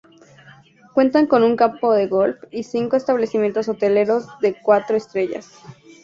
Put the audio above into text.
Cuentan con un campo de golf y cinco establecimientos hoteleros de cuatro estrellas.